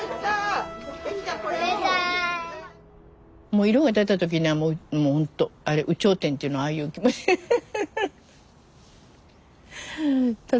もう色が出た時にはもうほんとあれ有頂天っていうのはああいう気持ち。